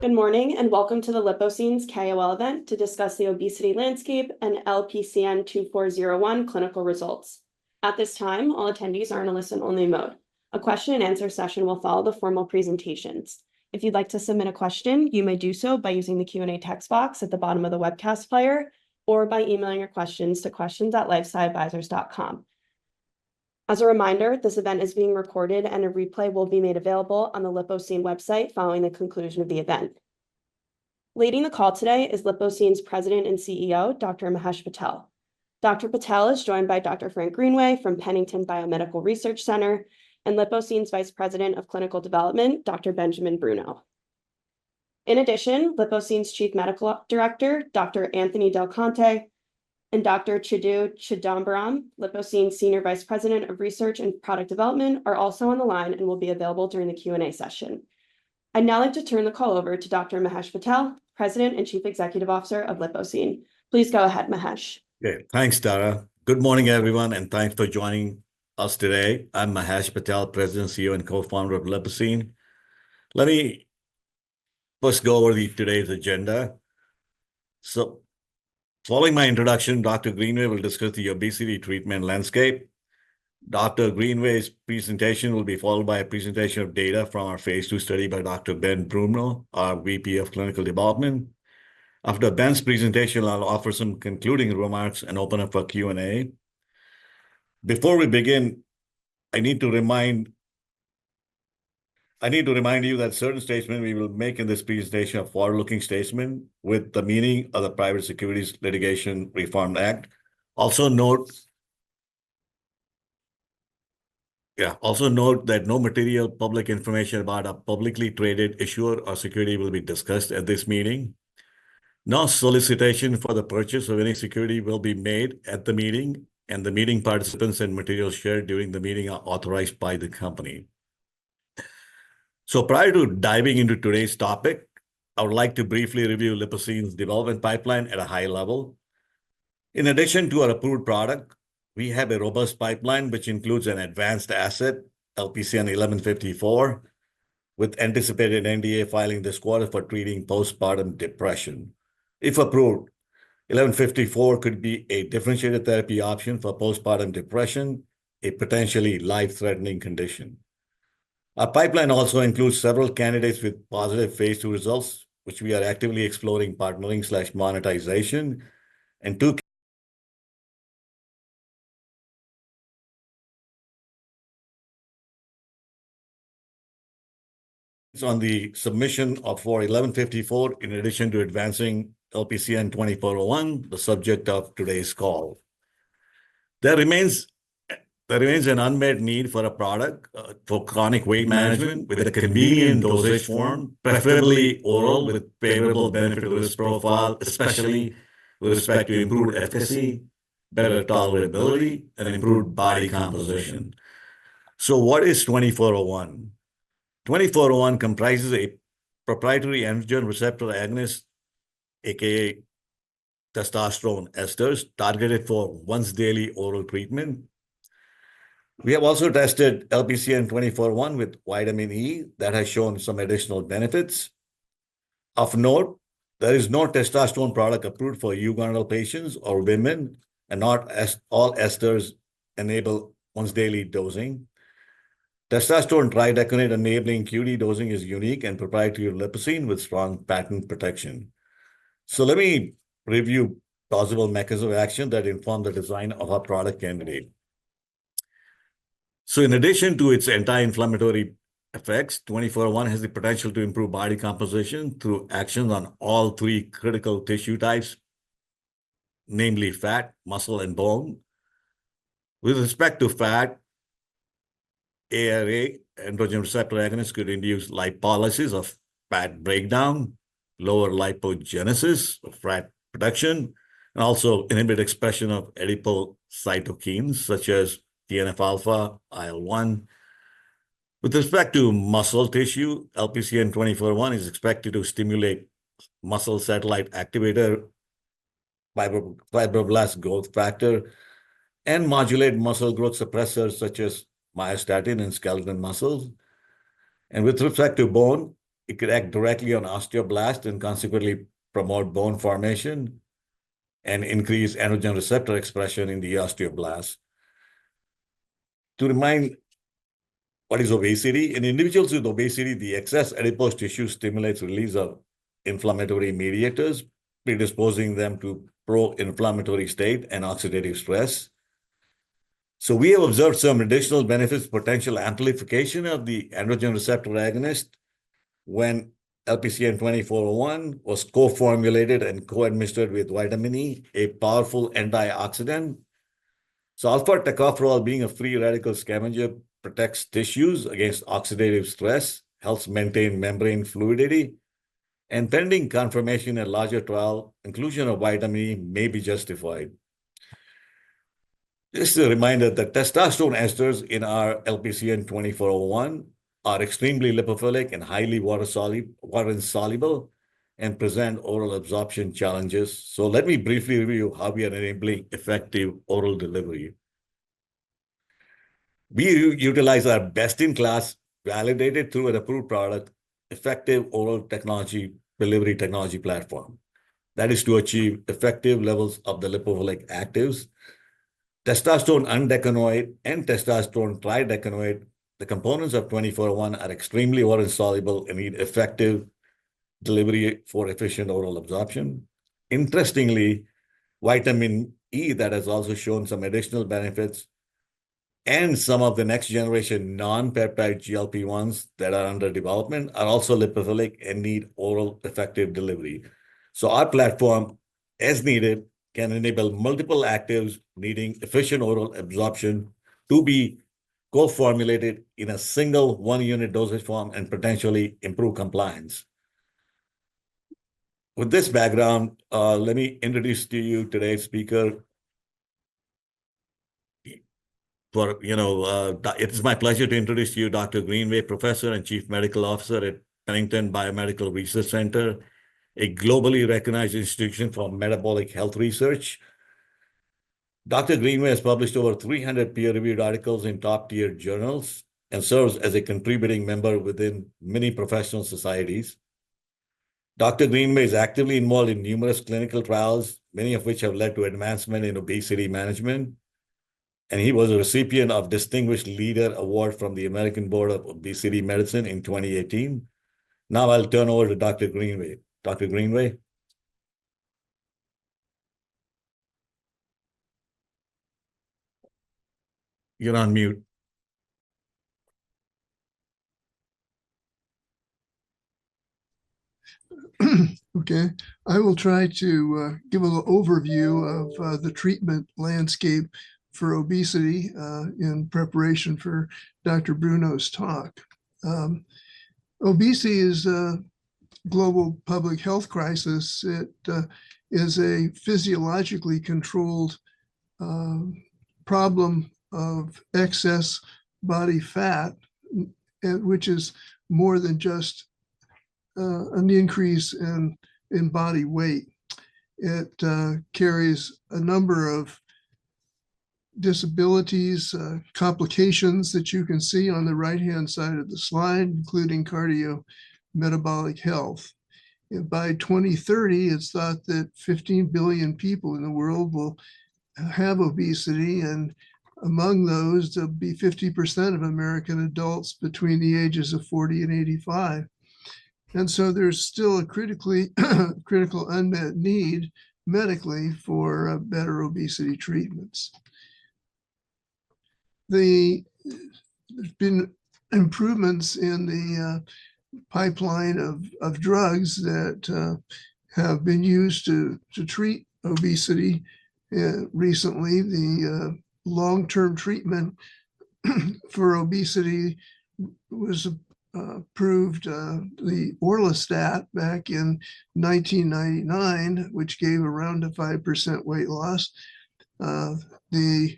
Good morning, and welcome to the Lipocine's KOL event to discuss the obesity landscape and LPCN2401 clinical results. At this time, all attendees are in a listen-only mode. A question-and-answer session will follow the formal presentations. If you'd like to submit a question, you may do so by using the Q&A text box at the bottom of the webcast player or by emailing your questions to questions@lifesciadvisors.com. As a reminder, this event is being recorded, and a replay will be made available on the Lipocine's website following the conclusion of the event. Leading the call today is Lipocine's President and CEO, Dr. Mahesh Patel. Dr. Patel is joined by Dr. Frank Greenway from Pennington Biomedical Research Center and Lipocine's Vice President of Clinical Development, Dr. Benjamin Bruno. In addition, Lipocine's Chief Medical Director, Dr. Anthony Delconte, and Dr. Chidu Chidambaram, Lipocine's Senior Vice President of Research and Product Development, is also on the line and will be available during the Q&A session. I'd now like to turn the call over to Dr. Mahesh Patel, President and Chief Executive Officer of Lipocine. Please go ahead, Mahesh. Okay. Thanks, Tara. Good morning, everyone, and thanks for joining us today. I'm Mahesh Patel, President, CEO, and Co-founder of Lipocine. Let me first go over today's agenda. So following my introduction, Dr. Greenway will discuss the obesity treatment landscape. Dr. Greenway's presentation will be followed by a presentation of data from our phase II study by Dr. Ben Bruno, our VP of Clinical Development. After Ben's presentation, I'll offer some concluding remarks and open up for Q&A. Before we begin, I need to remind you that certain statements we will make in this presentation are forward-looking statements with the meaning of the Private Securities Litigation Reform Act. Also note that no material public information about a publicly traded issuer or security will be discussed at this meeting. No solicitation for the purchase of any security will be made at the meeting, and the meeting participants and materials shared during the meeting are authorized by the company. So prior to diving into today's topic, I would like to briefly review Lipocine's development pipeline at a high level. In addition to our approved product, we have a robust pipeline, which includes an advanced asset, LPCN1154, with anticipated NDA filing this quarter for treating postpartum depression. If approved, eleven fifty-four could be a differentiated therapy option for postpartum depression, a potentially life-threatening condition. Our pipeline also includes several candidates with positive phase II results, which we are actively exploring partnering slash monetization and NDA submission for eleven fifty-four, in addition to advancing LPCN2401, the subject of today's call. There remains an unmet need for a product, for chronic weight management with a convenient dosage form, preferably oral, with favorable benefit to risk profile, especially with respect to improved efficacy, better tolerability, and improved body composition. So what is twenty four oh one? Twenty four oh one comprises a proprietary androgen receptor agonist, aka testosterone esters, targeted for once-daily oral treatment. We have also tested LPCN2401 with vitamin E that has shown some additional benefits. Of note, there is no testosterone product approved for juvenile patients or women, and not all esters enable once-daily dosing. Testosterone undecanoate enabling QD dosing is unique and proprietary to Lipocine, with strong patent protection. So let me review possible mechanisms of action that inform the design of our product candidate. So in addition to its anti-inflammatory effects, LPCN2401 has the potential to improve body composition through actions on all three critical tissue types, namely fat, muscle, and bone. With respect to fat, ARA, androgen receptor agonist, could induce lipolysis of fat breakdown, lower lipogenesis of fat production, and also inhibit expression of adipocytokines such as TNF-alpha, IL-one. With respect to muscle tissue, LPCN2401 is expected to stimulate muscle satellite activator, fibroblast growth factor, and modulate muscle growth suppressors such as myostatin and skeletal muscles. And with respect to bone, it could act directly on osteoblasts and consequently promote bone formation and increase androgen receptor expression in the osteoblasts. To remind, what is obesity? In individuals with obesity, the excess adipose tissue stimulates release of inflammatory mediators, predisposing them to pro-inflammatory state and oxidative stress. We have observed some additional benefits, potential amplification of the androgen receptor agonist when LPCN2401 was co-formulated and co-administered with vitamin E, a powerful antioxidant. Alpha-tocopherol, being a free radical scavenger, protects tissues against oxidative stress, helps maintain membrane fluidity, and pending confirmation in a larger trial, inclusion of vitamin E may be justified. Just a reminder that testosterone esters in our LPCN2401 are extremely lipophilic and highly water-insoluble and present oral absorption challenges. Let me briefly review how we are enabling effective oral delivery. We utilize our best-in-class, validated through an approved product, effective oral technology, delivery technology platform. That is to achieve effective levels of the lipophilic actives. Testosterone undecanoate and testosterone tridecanoate, the components of LPCN2401, are extremely water-insoluble and need effective delivery for efficient oral absorption. Interestingly, vitamin E, that has also shown some additional benefits, and some of the next generation non-peptide GLP-1s that are under development are also lipophilic and need oral effective delivery. So our platform, as needed, can enable multiple actives needing efficient oral absorption to be co-formulated in a single one-unit dosage form and potentially improve compliance. With this background, let me introduce to you today's speaker. You know, it is my pleasure to introduce to you Dr. Greenway, Professor and Chief Medical Officer at Pennington Biomedical Research Center, a globally recognized institution for metabolic health research. Dr. Greenway is actively involved in numerous clinical trials, many of which have led to advancement in obesity management, and he was a recipient of Distinguished Leader Award from the American Board of Obesity Medicine in 2018. Now I'll turn over to Dr. Greenway. Dr. Greenway? You're on mute. Okay, I will try to give a little overview of the treatment landscape for obesity in preparation for Dr. Bruno's talk. Obesity is a global public health crisis. It is a physiologically controlled problem of excess body fat, which is more than just an increase in body weight. It carries a number of disabilities complications that you can see on the right-hand side of the slide, including cardiometabolic health. By 2030, it is thought that 15 billion people in the world will have obesity, and among those, there will be 50% of American adults between the ages of 40 and 85. And so there is still a critical unmet need medically for better obesity treatments. There has been improvements in the pipeline of drugs that have been used to treat obesity recently. The long-term treatment for obesity was approved, the orlistat back in nineteen ninety-nine, which gave around a 5% weight loss. The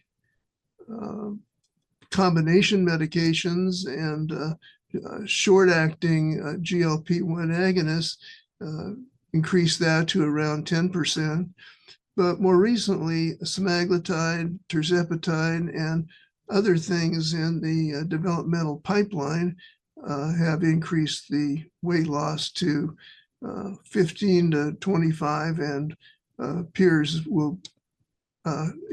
combination medications and short-acting GLP-1 agonists increased that to around 10%. But more recently, semaglutide, tirzepatide, and other things in the developmental pipeline have increased the weight loss to 15%-25%, and perhaps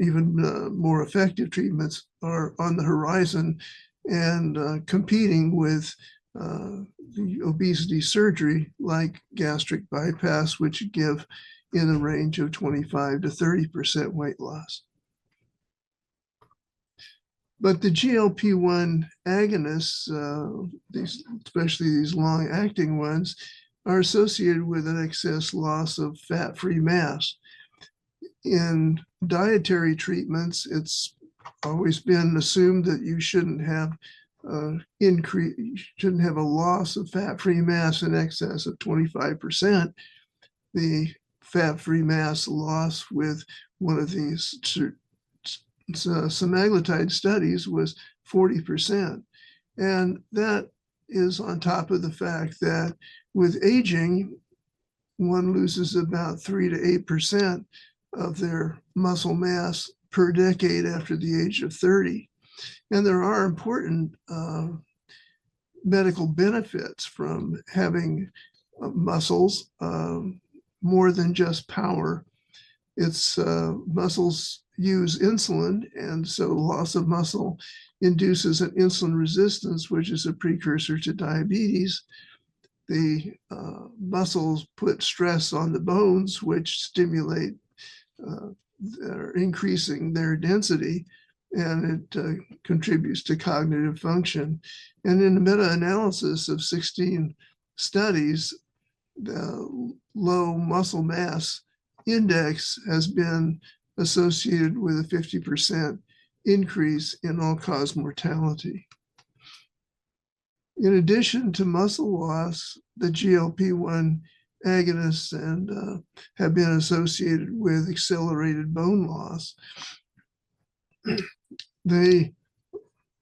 even more effective treatments are on the horizon and competing with the obesity surgery, like gastric bypass, which give in a range of 25%-30% weight loss. But the GLP-1 agonists, these, especially these long-acting ones, are associated with an excess loss of fat-free mass. In dietary treatments, it's always been assumed that you shouldn't have a loss of fat-free mass in excess of 25%. The fat-free mass loss with one of these semaglutide studies was 40%, and that is on top of the fact that with aging, one loses about 3%-8% of their muscle mass per decade after the age of 30. There are important medical benefits from having muscles, more than just power. It's muscles use insulin, and so loss of muscle induces an insulin resistance, which is a precursor to diabetes. The muscles put stress on the bones, which stimulate increasing their density, and it contributes to cognitive function. In a meta-analysis of 16 studies, the low muscle mass index has been associated with a 50% increase in all-cause mortality. In addition to muscle loss, the GLP-1 agonists have been associated with accelerated bone loss. They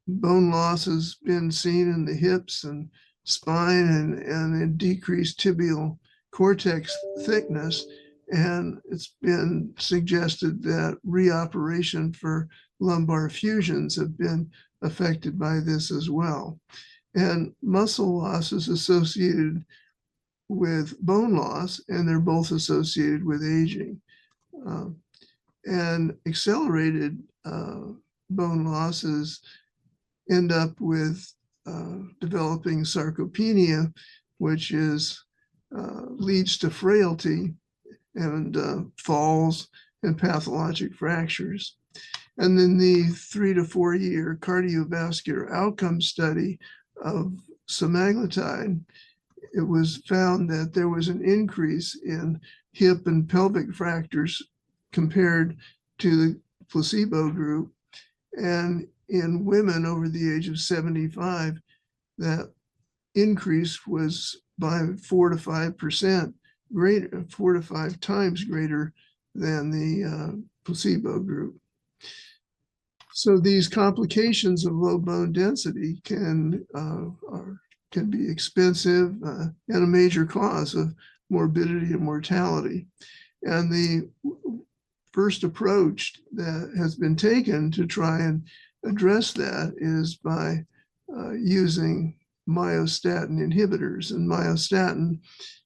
both-... Losses been seen in the hips and spine and in decreased tibial cortex thickness, and it's been suggested that reoperation for lumbar fusions have been affected by this as well. Muscle loss is associated with bone loss, and they're both associated with aging. Accelerated bone losses end up with developing sarcopenia, which leads to frailty and falls and pathologic fractures. Then the three- to four-year cardiovascular outcome study of semaglutide. It was found that there was an increase in hip and pelvic fractures compared to the placebo group. In women over the age of 75, that increase was 4-5% greater, 4-5 times greater than the placebo group. These complications of low bone density can be expensive and a major cause of morbidity and mortality. And the first approach that has been taken to try and address that is by using myostatin inhibitors. And myostatin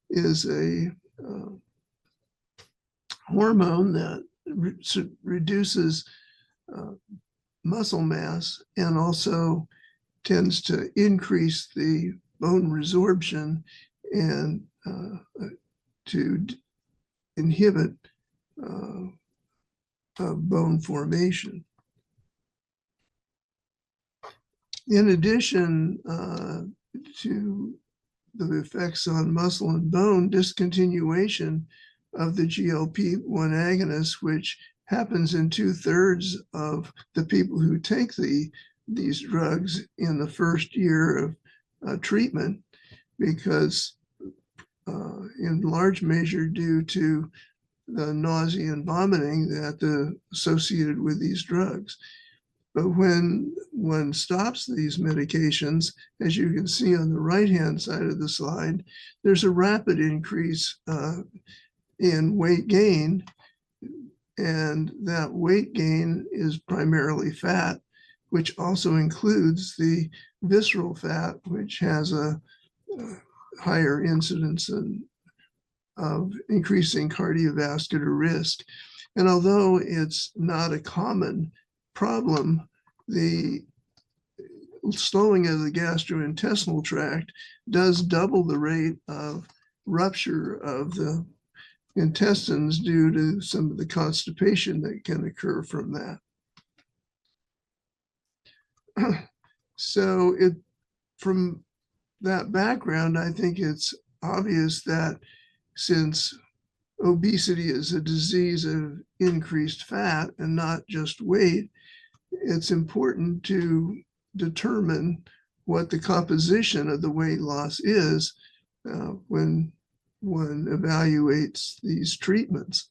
is a hormone that reduces muscle mass and also tends to increase the bone resorption and to inhibit bone formation. In addition to the effects on muscle and bone, discontinuation of the GLP-1 agonist, which happens in two-thirds of the people who take these drugs in the first year of treatment, because in large measure due to the nausea and vomiting that associated with these drugs. But when one stops these medications, as you can see on the right-hand side of the slide, there's a rapid increase in weight gain, and that weight gain is primarily fat, which also includes the visceral fat, which has a higher incidence and of increasing cardiovascular risk. Although it's not a common problem, the slowing of the gastrointestinal tract does double the rate of rupture of the intestines due to some of the constipation that can occur from that. From that background, I think it's obvious that since obesity is a disease of increased fat and not just weight, it's important to determine what the composition of the weight loss is, when one evaluates these treatments.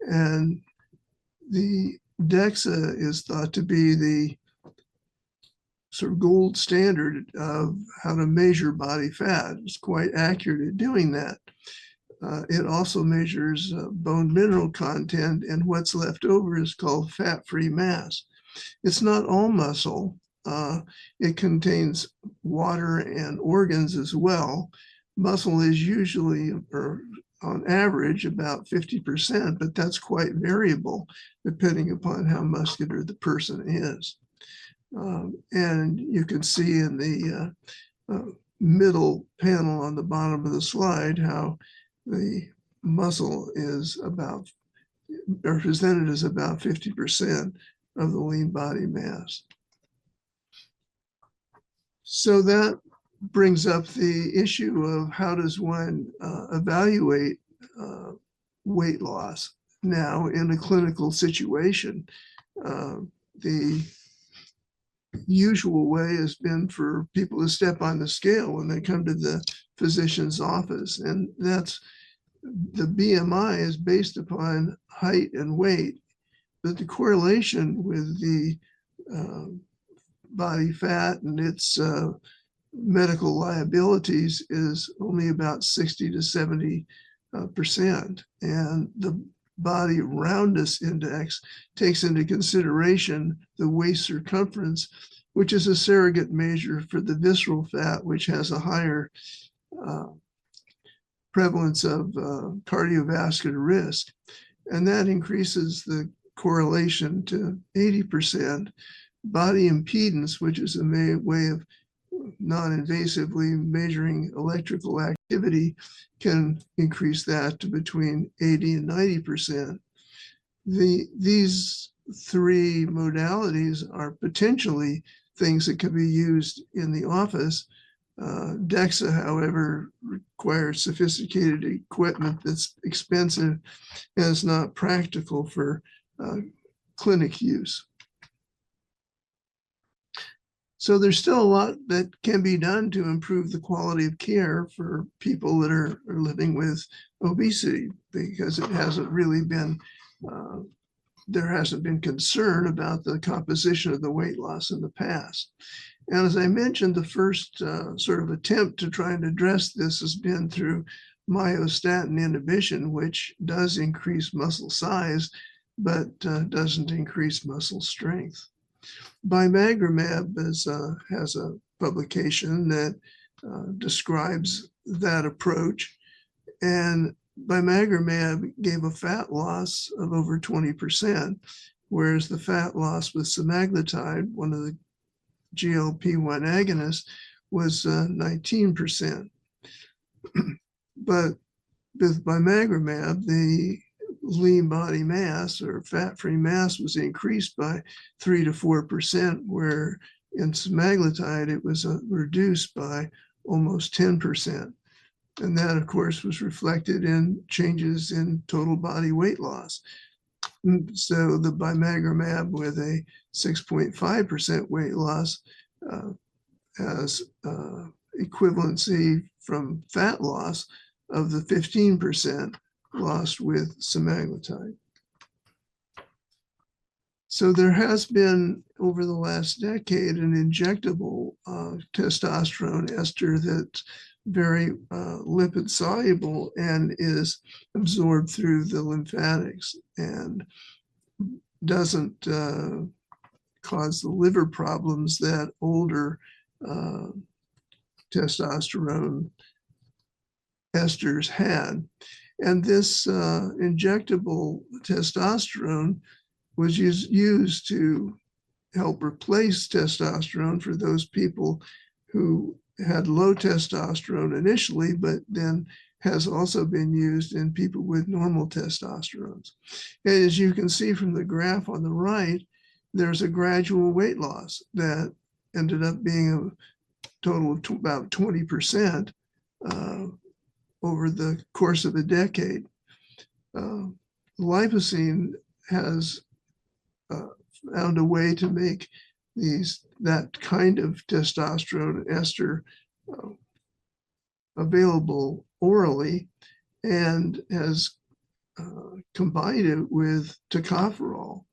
The DEXA is thought to be the sort of gold standard of how to measure body fat. It's quite accurate at doing that. It also measures bone mineral content, and what's left over is called fat-free mass. It's not all muscle. It contains water and organs as well. Muscle is usually, or on average, about 50%, but that's quite variable depending upon how muscular the person is. And you can see in the middle panel on the bottom of the slide how the muscle is about, represented as about 50% of the lean body mass. So that brings up the issue of: How does one evaluate weight loss now in a clinical situation? The usual way has been for people to step on the scale when they come to the physician's office, and that's... The BMI is based upon height and weight, but the correlation with the body fat and its medical liabilities is only about 60%-70%. And the Body Roundness Index takes into consideration the waist circumference, which is a surrogate measure for the visceral fat, which has a higher prevalence of cardiovascular risk, and that increases the correlation to 80%. Bioelectrical impedance, which is a way of non-invasively measuring electrical activity, can increase that to between 80% and 90%. These three modalities are potentially things that can be used in the office. DEXA, however, requires sophisticated equipment that's expensive and is not practical for clinic use. So there's still a lot that can be done to improve the quality of care for people that are living with obesity, because it hasn't really been. There hasn't been concern about the composition of the weight loss in the past, and as I mentioned, the first sort of attempt to try and address this has been through myostatin inhibition, which does increase muscle size, but doesn't increase muscle strength. Bimagrumab has a publication that describes that approach, and bimagrumab gave a fat loss of over 20%, whereas the fat loss with semaglutide, one of the GLP-1 agonists, was 19%. But with bimagrumab, the lean body mass or fat-free mass was increased by 3% to 4%, where in semaglutide, it was reduced by almost 10%, and that, of course, was reflected in changes in total body weight loss. The bimagrumab, with a 6.5% weight loss, has equivalency from fat loss of the 15% lost with semaglutide. There has been, over the last decade, an injectable testosterone ester that's very lipid-soluble and is absorbed through the lymphatics and doesn't cause the liver problems that older testosterone esters had. And this injectable testosterone was used to help replace testosterone for those people who had low testosterone initially, but then has also been used in people with normal testosterones. As you can see from the graph on the right, there's a gradual weight loss that ended up being a total of about 20% over the course of a decade. Lipocine has found a way to make that kind of testosterone ester available orally and has combined it with tocopherol.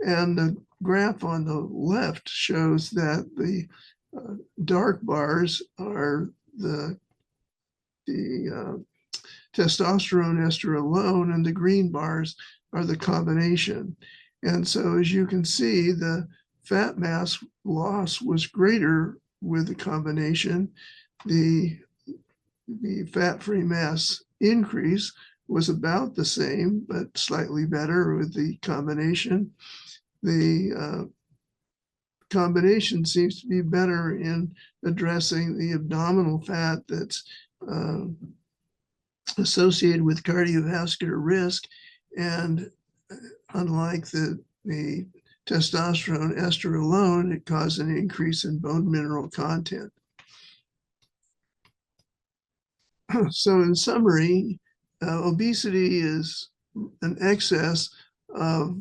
And the graph on the left shows that the dark bars are the testosterone ester alone, and the green bars are the combination. And so, as you can see, the fat mass loss was greater with the combination. The fat-free mass increase was about the same, but slightly better with the combination. The combination seems to be better in addressing the abdominal fat that's associated with cardiovascular risk, and unlike the testosterone ester alone, it caused an increase in bone mineral content, so in summary, obesity is an excess of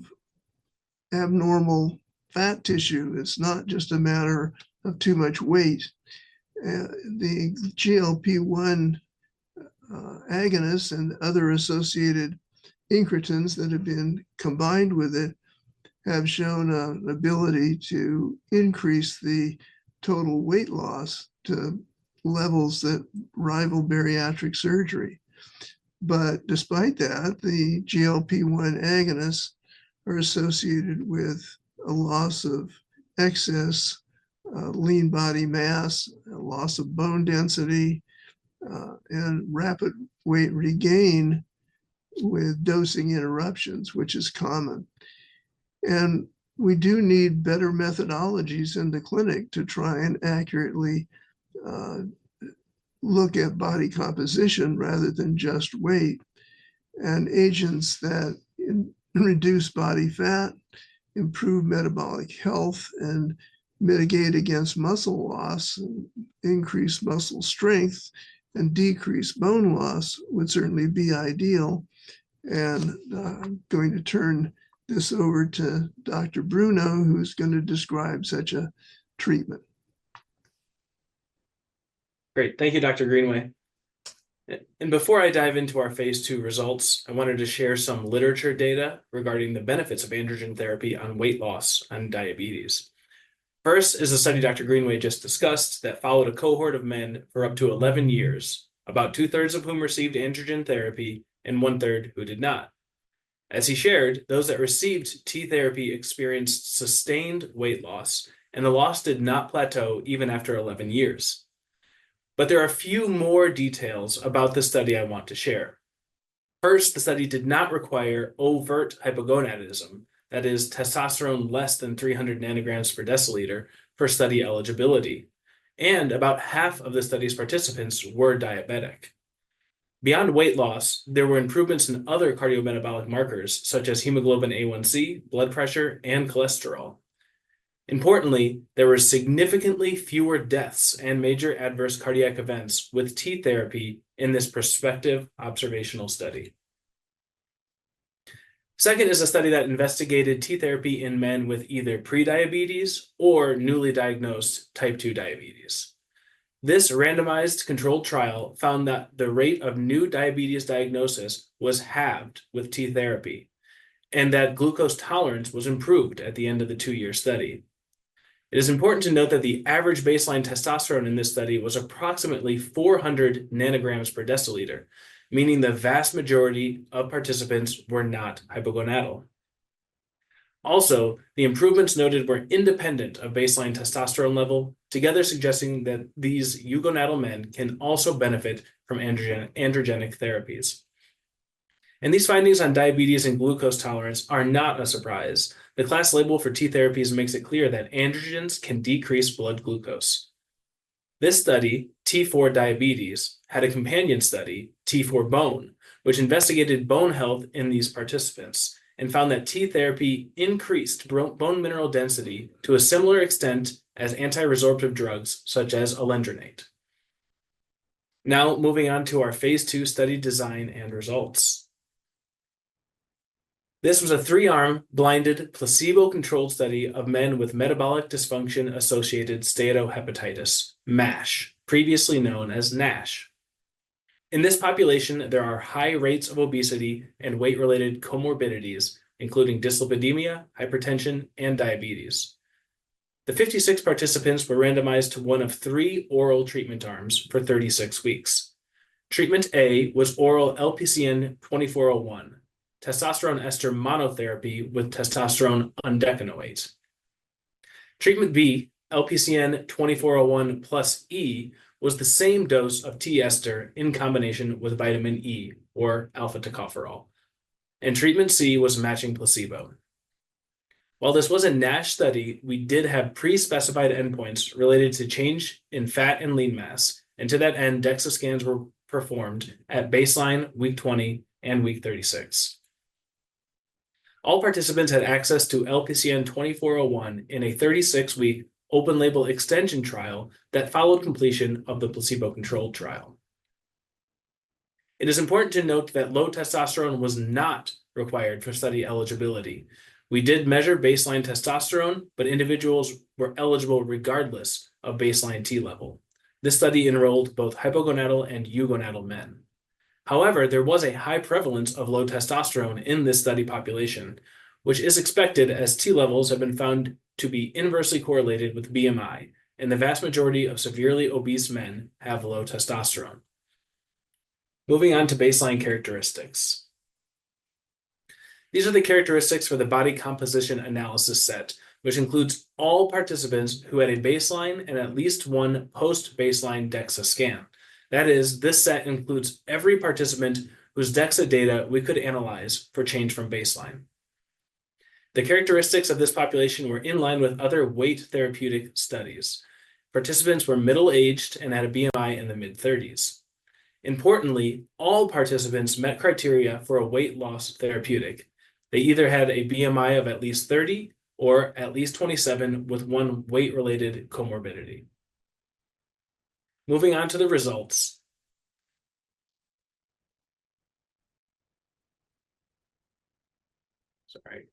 abnormal fat tissue. It's not just a matter of too much weight. The GLP-1 agonists and other associated incretins that have been combined with it have shown an ability to increase the total weight loss to levels that rival bariatric surgery, but despite that, the GLP-1 agonists are associated with a loss of excess lean body mass, a loss of bone density, and rapid weight regain with dosing interruptions, which is common, and we do need better methodologies in the clinic to try and accurately look at body composition rather than just weight. And agents that reduce body fat, improve metabolic health, and mitigate against muscle loss, and increase muscle strength, and decrease bone loss would certainly be ideal. And, I'm going to turn this over to Dr. Bruno, who's gonna describe such a treatment. Great. Thank you, Dr. Greenway. And before I dive into our phase II results, I wanted to share some literature data regarding the benefits of androgen therapy on weight loss and diabetes. First is the study Dr. Greenway just discussed that followed a cohort of men for up to eleven years, about two-thirds of whom received androgen therapy and one-third who did not. As he shared, those that received T therapy experienced sustained weight loss, and the loss did not plateau even after eleven years. But there are a few more details about this study I want to share. First, the study did not require overt hypogonadism, that is, testosterone less than three hundred nanograms per deciliter, for study eligibility, and about half of the study's participants were diabetic. Beyond weight loss, there were improvements in other cardiometabolic markers, such as hemoglobin A1C, blood pressure, and cholesterol. Importantly, there were significantly fewer deaths and major adverse cardiac events with T therapy in this prospective observational study. Second is a study that investigated T therapy in men with either prediabetes or newly diagnosed type 2 diabetes. This randomized controlled trial found that the rate of new diabetes diagnosis was halved with T therapy and that glucose tolerance was improved at the end of the two-year study. It is important to note that the average baseline testosterone in this study was approximately 400 nanograms per deciliter, meaning the vast majority of participants were not hypogonadal. Also, the improvements noted were independent of baseline testosterone level, together suggesting that these euthenal men can also benefit from androgen, androgenic therapies, and these findings on diabetes and glucose tolerance are not a surprise. The class label for T therapies makes it clear that androgens can decrease blood glucose. This study, T4Diabetes, had a companion study, T4Bone, which investigated bone health in these participants and found that T therapy increased bone mineral density to a similar extent as anti-resorptive drugs such as alendronate. Now, moving on to our phase II study design and results. This was a three-arm, blinded, placebo-controlled study of men with metabolic dysfunction-associated steatohepatitis, MASH, previously known as NASH. In this population, there are high rates of obesity and weight-related comorbidities, including dyslipidemia, hypertension, and diabetes. The 56 participants were randomized to one of three oral treatment arms for 36 weeks. Treatment A was oral LPCN2401, testosterone ester monotherapy with testosterone undecanoate. Treatment B, LPCN2401 plus E, was the same dose of T ester in combination with vitamin E or alpha-tocopherol, and treatment C was matching placebo. While this was a NASH study, we did have pre-specified endpoints related to change in fat and lean mass, and to that end, DEXA scans were performed at baseline, week 20, and week 36. All participants had access to LPCN2401 in a 36-week open-label extension trial that followed completion of the placebo-controlled trial. It is important to note that low testosterone was not required for study eligibility. We did measure baseline testosterone, but individuals were eligible regardless of baseline T level. This study enrolled both hypogonadal and euthenal men. However, there was a high prevalence of low testosterone in this study population, which is expected as T levels have been found to be inversely correlated with BMI, and the vast majority of severely obese men have low testosterone. Moving on to baseline characteristics. These are the characteristics for the body composition analysis set, which includes all participants who had a baseline and at least one post-baseline DEXA scan. That is, this set includes every participant whose DEXA data we could analyze for change from baseline. The characteristics of this population were in line with other weight therapeutic studies. Participants were middle-aged and had a BMI in the mid-thirties. Importantly, all participants met criteria for a weight loss therapeutic. They either had a BMI of at least thirty or at least twenty-seven, with one weight-related comorbidity. Moving on to the results. Sorry.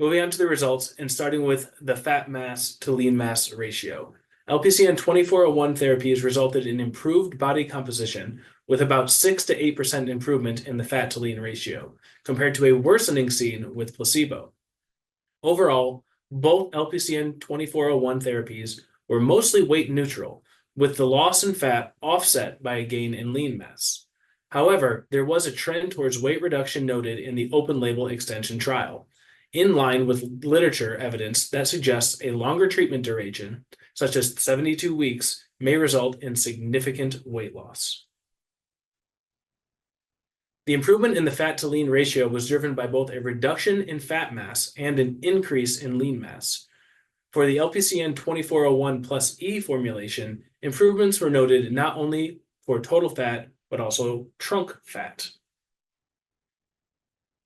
Moving on to the results and starting with the fat mass to lean mass ratio. LPCN2401 therapy has resulted in improved body composition, with about 6% to 8% improvement in the fat-to-lean ratio compared to a worsening seen with placebo. Overall, both LPCN2401 therapies were mostly weight neutral, with the loss in fat offset by a gain in lean mass. However, there was a trend towards weight reduction noted in the open label extension trial, in line with literature evidence that suggests a longer treatment duration, such as 72 weeks, may result in significant weight loss. The improvement in the fat-to-lean ratio was driven by both a reduction in fat mass and an increase in lean mass. For the LPCN2401 plus E formulation, improvements were noted not only for total fat but also trunk fat.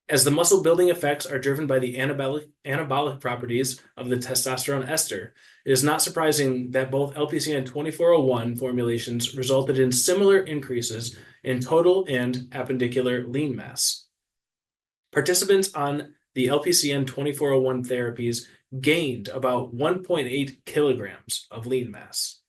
As the muscle-building effects are driven by the anabolic, anabolic properties of the testosterone ester, it is not surprising that both LPCN2401 formulations resulted in similar increases in total and appendicular lean mass. Participants on the LPCN2401 therapies gained about 1.8 kilograms of lean mass.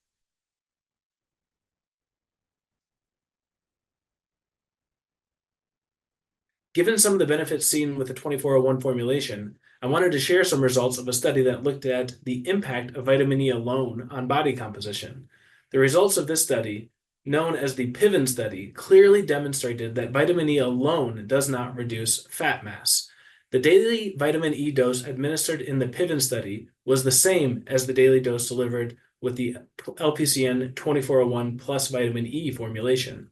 Given some of the benefits seen with the 2401 formulation, I wanted to share some results of a study that looked at the impact of vitamin E alone on body composition. The results of this study, known as the PIVEN study, clearly demonstrated that vitamin E alone does not reduce fat mass. The daily vitamin E dose administered in the PIVEN study was the same as the daily dose delivered with the LPCN2401 plus vitamin E formulation.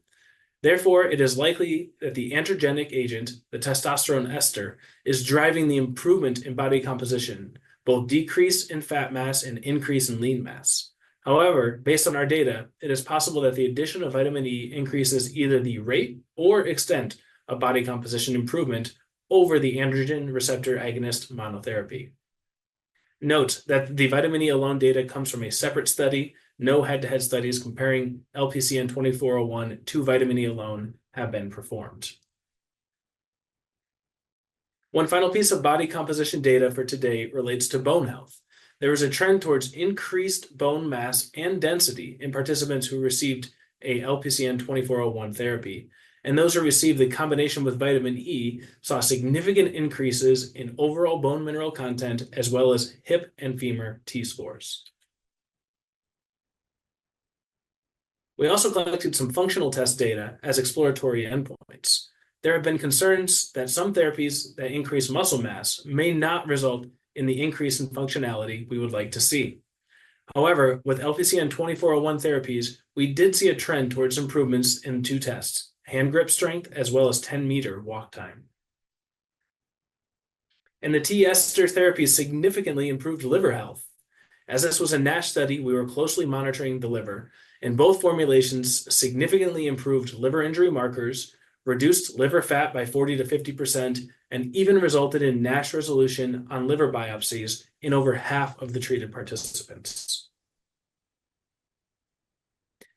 Therefore, it is likely that the androgenic agent, the testosterone ester, is driving the improvement in body composition, both decrease in fat mass and increase in lean mass. However, based on our data, it is possible that the addition of vitamin E increases either the rate or extent of body composition improvement over the androgen receptor agonist monotherapy. Note that the vitamin E alone data comes from a separate study. No head-to-head studies comparing LPCN2401 to vitamin E alone have been performed. One final piece of body composition data for today relates to bone health. There is a trend towards increased bone mass and density in participants who received LPCN2401 therapy, and those who received the combination with vitamin E saw significant increases in overall bone mineral content, as well as hip and femur T-scores. We also collected some functional test data as exploratory endpoints. There have been concerns that some therapies that increase muscle mass may not result in the increase in functionality we would like to see. However, with LPCN2401 therapies, we did see a trend towards improvements in two tests: hand grip strength, as well as ten-meter walk time, and the T ester therapy significantly improved liver health. As this was a NASH study, we were closely monitoring the liver, and both formulations significantly improved liver injury markers, reduced liver fat by 40%-50%, and even resulted in NASH resolution on liver biopsies in over half of the treated participants.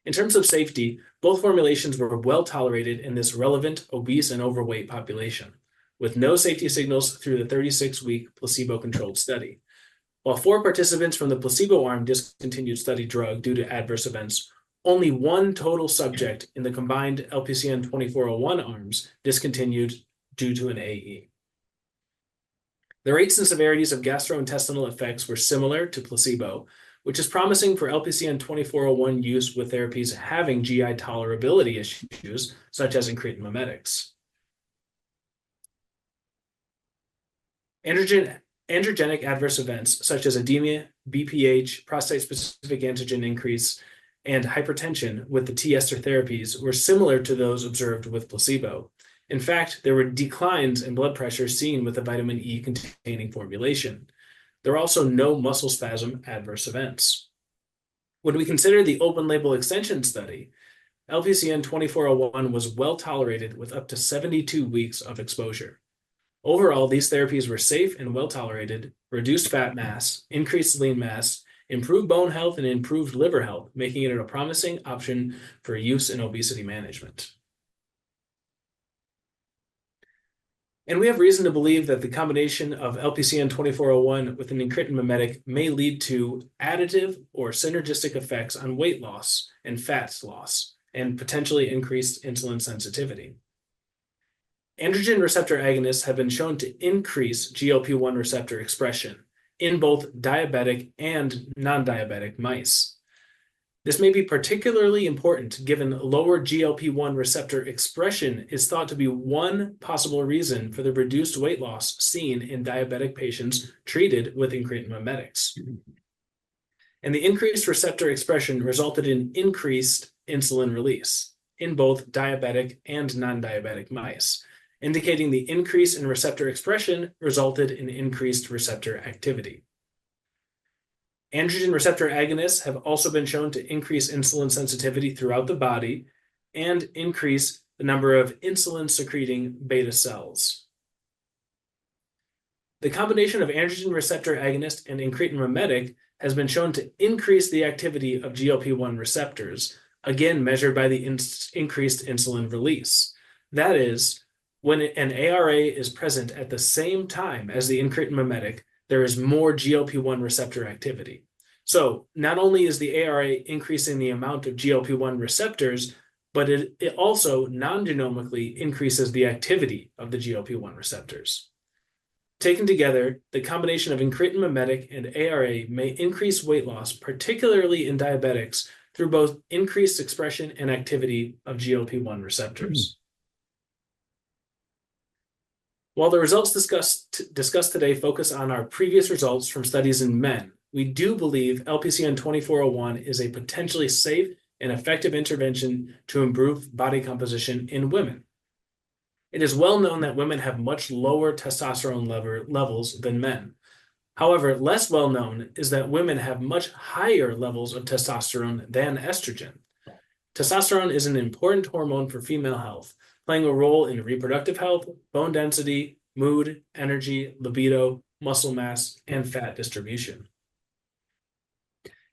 In terms of safety, both formulations were well-tolerated in this relevant obese and overweight population, with no safety signals through the 36-week placebo-controlled study. While four participants from the placebo arm discontinued study drug due to adverse events, only one total subject in the combined LPCN2401 arms discontinued due to an AE. The rates and severities of gastrointestinal effects were similar to placebo, which is promising for LPCN2401 use with therapies having GI tolerability issues, such as incretin mimetics. Androgen, androgenic adverse events such as edema, BPH, prostate-specific antigen increase, and hypertension with the T ester therapies were similar to those observed with placebo. In fact, there were declines in blood pressure seen with the vitamin E-containing formulation. There are also no muscle spasm adverse events. When we consider the open-label extension study, LPCN2401 was well-tolerated with up to 72 weeks of exposure. Overall, these therapies were safe and well-tolerated, reduced fat mass, increased lean mass, improved bone health, and improved liver health, making it a promising option for use in obesity management. And we have reason to believe that the combination of LPCN2401 with an incretin mimetic may lead to additive or synergistic effects on weight loss and fat loss, and potentially increased insulin sensitivity. Androgen receptor agonists have been shown to increase GLP-1 receptor expression in both diabetic and non-diabetic mice. This may be particularly important, given lower GLP-1 receptor expression is thought to be one possible reason for the reduced weight loss seen in diabetic patients treated with incretin mimetics. The increased receptor expression resulted in increased insulin release in both diabetic and non-diabetic mice, indicating the increase in receptor expression resulted in increased receptor activity. Androgen receptor agonists have also been shown to increase insulin sensitivity throughout the body and increase the number of insulin-secreting beta cells. The combination of androgen receptor agonist and incretin mimetic has been shown to increase the activity of GLP-1 receptors, again, measured by the increased insulin release. That is, when an ARA is present at the same time as the incretin mimetic, there is more GLP-1 receptor activity. So not only is the ARA increasing the amount of GLP-1 receptors, but it also non-genomically increases the activity of the GLP-1 receptors. Taken together, the combination of incretin mimetic and ARA may increase weight loss, particularly in diabetics, through both increased expression and activity of GLP-1 receptors. While the results discussed today focus on our previous results from studies in men, we do believe LPCN2401 is a potentially safe and effective intervention to improve body composition in women. It is well known that women have much lower testosterone levels than men. However, less well known is that women have much higher levels of testosterone than estrogen. Testosterone is an important hormone for female health, playing a role in reproductive health, bone density, mood, energy, libido, muscle mass, and fat distribution.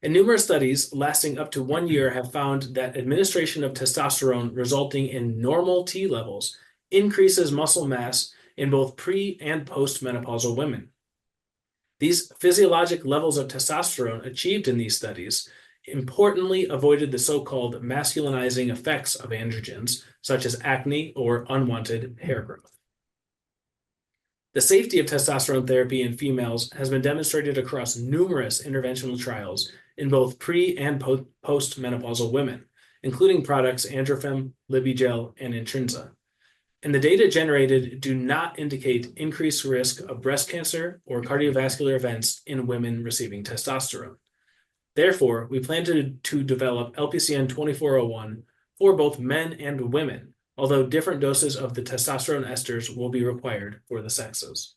And numerous studies lasting up to one year have found that administration of testosterone resulting in normal T levels increases muscle mass in both pre- and post-menopausal women. These physiologic levels of testosterone achieved in these studies importantly avoided the so-called masculinizing effects of androgens, such as acne or unwanted hair growth. The safety of testosterone therapy in females has been demonstrated across numerous interventional trials in both pre- and postmenopausal women, including products AndroFeme, LibiGel, and Intrinsa, and the data generated do not indicate increased risk of breast cancer or cardiovascular events in women receiving testosterone. Therefore, we plan to develop LPCN2401 for both men and women, although different doses of the testosterone esters will be required for the sexes.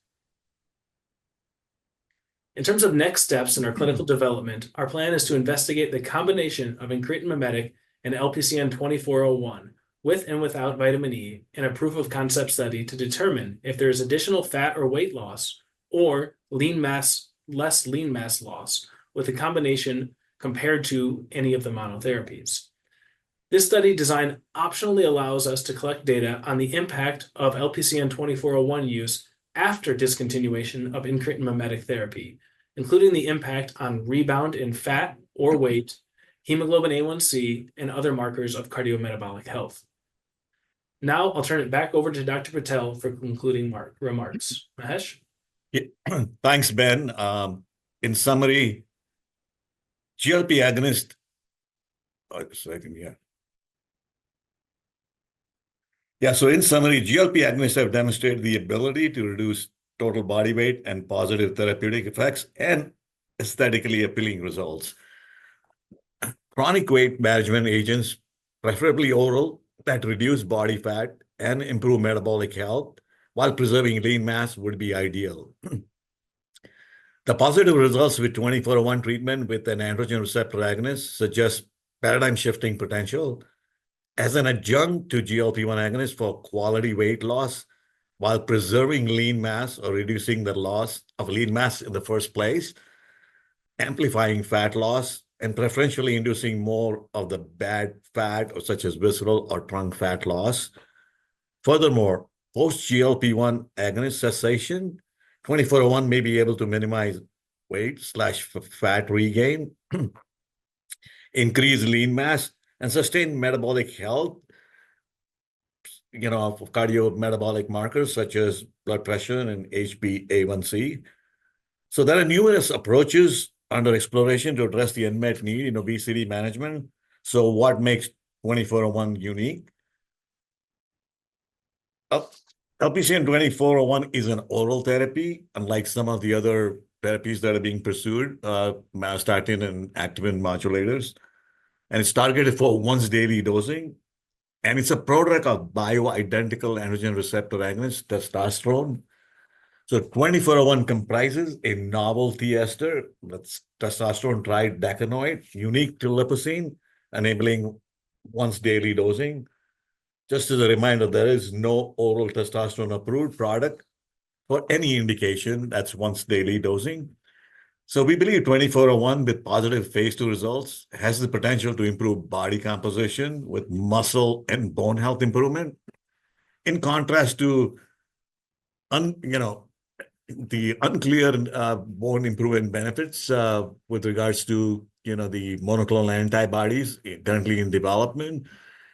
In terms of next steps in our clinical development, our plan is to investigate the combination of incretin mimetic and LPCN2401 with and without vitamin E in a proof of concept study to determine if there is additional fat or weight loss or less lean mass loss with a combination compared to any of the monotherapies. This study design optionally allows us to collect data on the impact of LPCN2401 use after discontinuation of incretin mimetic therapy, including the impact on rebound in fat or weight, hemoglobin A1C, and other markers of cardiometabolic health. Now I'll turn it back over to Dr. Patel for concluding remarks. Mahesh? Yeah. Thanks, Ben. In summary, GLP agonists have demonstrated the ability to reduce total body weight and positive therapeutic effects and aesthetically appealing results. Chronic weight management agents, preferably oral, that reduce body fat and improve metabolic health while preserving lean mass, would be ideal. The positive results with twenty-four oh one treatment with an androgen receptor agonist suggest paradigm-shifting potential as an adjunct to GLP-1 agonist for quality weight loss, while preserving lean mass or reducing the loss of lean mass in the first place, amplifying fat loss, and preferentially inducing more of the bad fat, such as visceral or trunk fat loss. Furthermore, post GLP-1 agonist cessation, twenty-four oh one may be able to minimize weight/fat regain, increase lean mass, and sustain metabolic health, you know, of cardiometabolic markers such as blood pressure and HbA1c. There are numerous approaches under exploration to address the unmet need in obesity management. What makes 2401 unique? LPCN 2401 is an oral therapy, unlike some of the other therapies that are being pursued, myostatin and activin modulators, and it's targeted for once-daily dosing. And it's a product of bioidentical androgen receptor agonist testosterone. 2401 comprises a novel diester, that's testosterone tridecanoate, unique to Lipocine, enabling once-daily dosing. Just as a reminder, there is no oral testosterone approved product for any indication that's once-daily dosing. We believe 2401, with positive phase II results, has the potential to improve body composition with muscle and bone health improvement. In contrast to, you know, the unclear bone improvement benefits with regards to, you know, the monoclonal antibodies currently in development,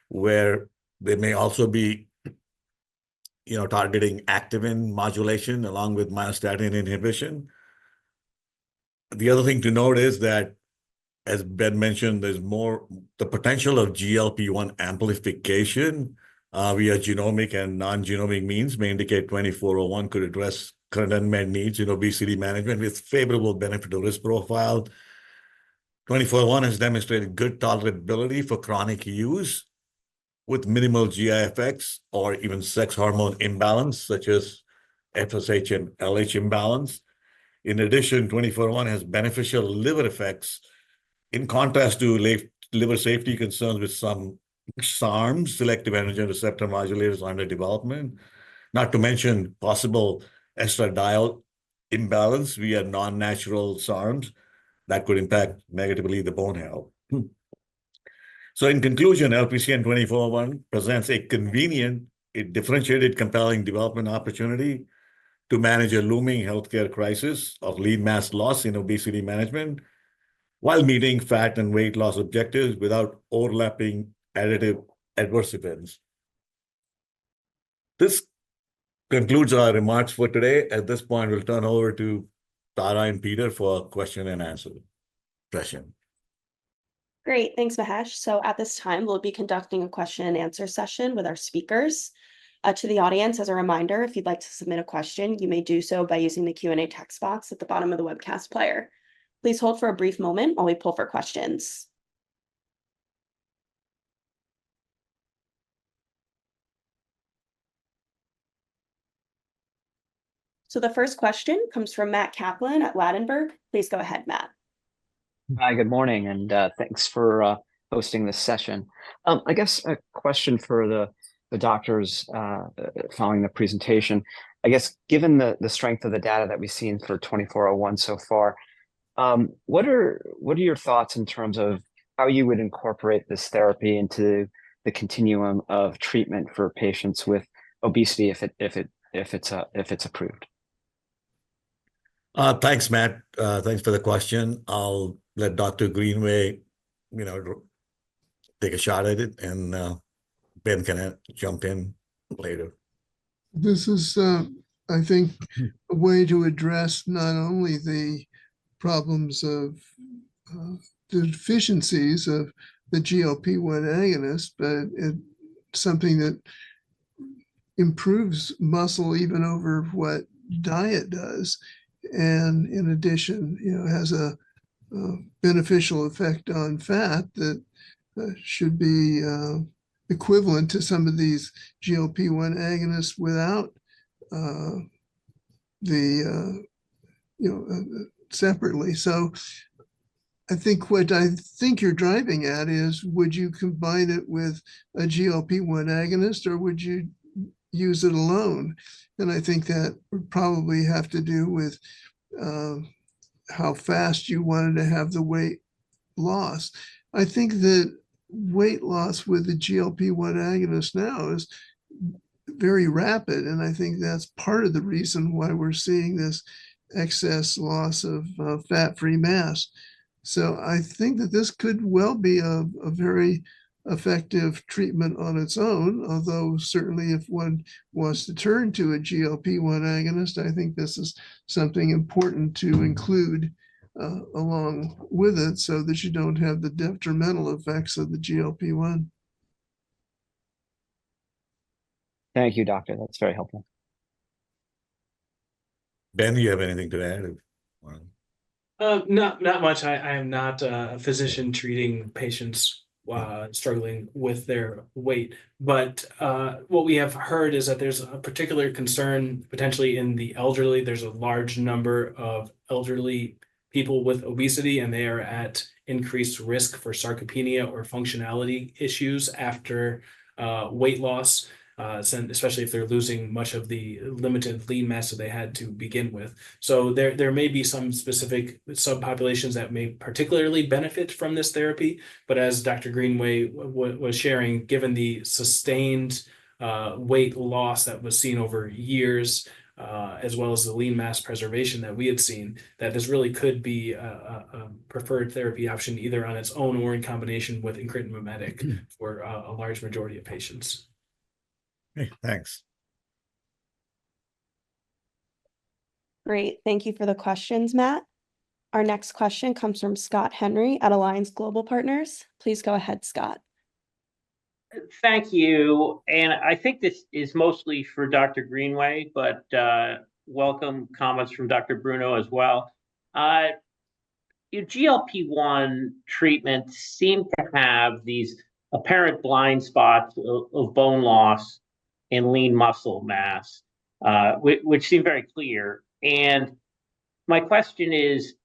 where they may also be, you know, targeting activin modulation along with myostatin inhibition. The other thing to note is that, as Ben mentioned, there's more. The potential of GLP-1 amplification via genomic and non-genomic means may indicate twenty-four oh one could address current unmet needs in obesity management with favorable benefit-to-risk profile. Twenty-four oh one has demonstrated good tolerability for chronic use, with minimal GI effects or even sex hormone imbalance, such as FSH and LH imbalance. In addition, twenty-four oh one has beneficial liver effects, in contrast to liver safety concerns with some SARMs, selective androgen receptor modulators, under development, not to mention possible estradiol imbalance via non-natural SARMs that could impact negatively the bone health. So in conclusion, LPCN 2401 presents a convenient and differentiated compelling development opportunity to manage a looming healthcare crisis of lean mass loss in obesity management, while meeting fat and weight loss objectives without overlapping additive adverse events. This concludes our remarks for today. At this point, we'll turn over to Tara and Peter for question and answer session. Great. Thanks, Mahesh. So at this time, we'll be conducting a question and answer session with our speakers. To the audience, as a reminder, if you'd like to submit a question, you may do so by using the Q&A text box at the bottom of the webcast player. Please hold for a brief moment while we poll for questions. So the first question comes from Matt Kaplan at Ladenburg. Please go ahead, Matt. Hi, good morning, and thanks for hosting this session. I guess a question for the doctors, following the presentation: I guess, given the strength of the data that we've seen for twenty-four oh one so far, what are... what are your thoughts in terms of how you would incorporate this therapy into the continuum of treatment for patients with obesity if it's approved? Thanks, Matt. Thanks for the question. I'll let Dr. Greenway, you know, take a shot at it, and Ben can jump in later. This is, I think, a way to address not only the problems of, the deficiencies of the GLP-1 agonist, but it, something that improves muscle even over what diet does and, in addition, you know, has a, a beneficial effect on fat that, should be, equivalent to some of these GLP-1 agonists without, the, you know, separately. So I think, what I think you're driving at is, would you combine it with a GLP-1 agonist, or would you use it alone? And I think that would probably have to do with, how fast you wanted to have the weight loss. I think that weight loss with the GLP-1 agonist now is very rapid, and I think that's part of the reason why we're seeing this excess loss of fat-free mass. I think that this could well be a very effective treatment on its own. Although certainly if one was to turn to a GLP-1 agonist, I think this is something important to include along with it so that you don't have the detrimental effects of the GLP-1. Thank you, Doctor. That's very helpful. Ben, do you have anything to add if, well? Not much. I am not a physician treating patients- Yeah Struggling with their weight. But what we have heard is that there's a particular concern potentially in the elderly. There's a large number of elderly people with obesity, and they are at increased risk for sarcopenia or functionality issues after weight loss. Especially if they're losing much of the limited lean mass that they had to begin with. So there may be some specific subpopulations that may particularly benefit from this therapy. But as Dr. Greenway was sharing, given the sustained weight loss that was seen over years, as well as the lean mass preservation that we have seen, that this really could be a preferred therapy option, either on its own or in combination with incretin mimetic- Mm-hmm For a large majority of patients. Okay, thanks. Great. Thank you for the questions, Matt. Our next question comes from Scott Henry at Alliance Global Partners. Please go ahead, Scott. Thank you, and I think this is mostly for Dr. Greenway, but, welcome comments from Dr. Bruno as well. Your GLP-1 treatments seem to have these apparent blind spots of bone loss and lean muscle mass, which seem very clear. And my question is,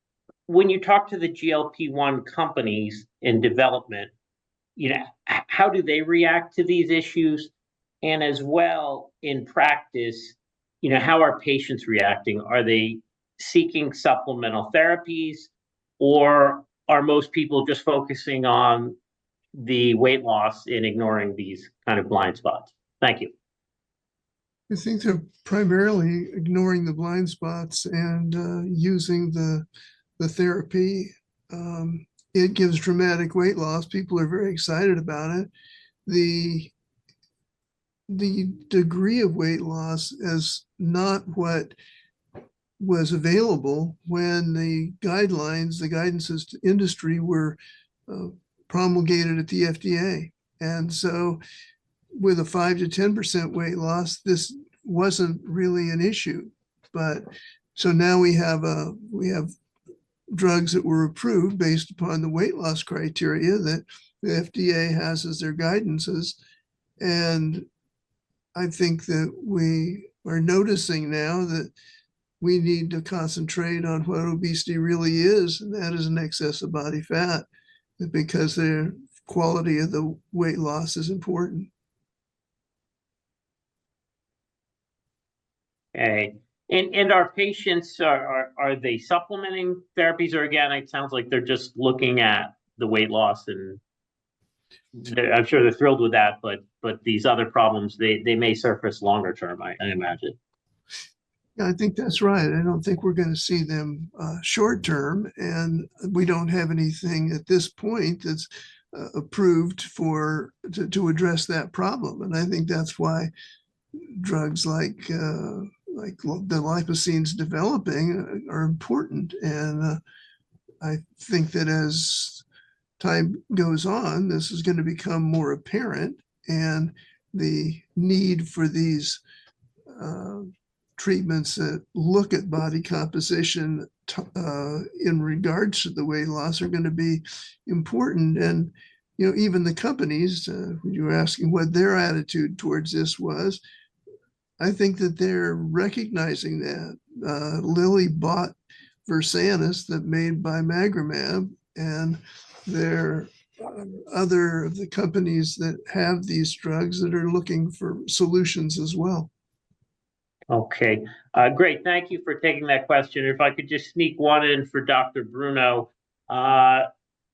when you talk to the GLP-1 companies in development, you know, how do they react to these issues? And as well, in practice, you know, how are patients reacting? Are they seeking supplemental therapies, or are most people just focusing on the weight loss and ignoring these kind of blind spots? Thank you. I think they're primarily ignoring the blind spots and using the therapy. It gives dramatic weight loss. People are very excited about it. The degree of weight loss is not what was available when the guidelines, the guidances to industry, were promulgated at the FDA. And so with a 5%-10% weight loss, this wasn't really an issue. So now we have drugs that were approved based upon the weight loss criteria that the FDA has as their guidances, and I think that we are noticing now that we need to concentrate on what obesity really is, and that is an excess of body fat because the quality of the weight loss is important. Okay. And our patients, are they supplementing therapies? Or, again, it sounds like they're just looking at the weight loss, and they- I'm sure they're thrilled with that, but these other problems, they may surface longer term, I imagine. Yeah, I think that's right. I don't think we're gonna see them short term, and we don't have anything at this point that's approved for to address that problem. And I think that's why drugs like the Lipocine is developing are important. And I think that as time goes on, this is gonna become more apparent, and the need for these treatments that look at body composition in regards to the weight loss are gonna be important. And, you know, even the companies you were asking what their attitude towards this was, I think that they're recognizing that. Lilly bought Versanis, that made bimagrumab, and there are other of the companies that have these drugs that are looking for solutions as well. Okay. Great. Thank you for taking that question. If I could just sneak one in for Dr. Bruno.